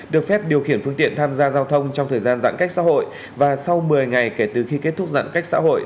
được phép điều khiển phương tiện tham gia giao thông trong thời gian giãn cách xã hội và sau một mươi ngày kể từ khi kết thúc giãn cách xã hội